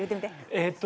えっと